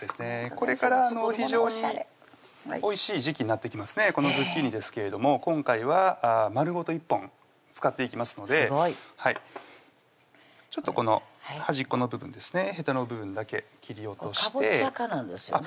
これから非常においしい時季なってきますねこのズッキーニですけれども今回は丸ごと１本使っていきますのでちょっとこの端っこの部分ですねへたの部分だけ切り落としてカボチャ属なんですよね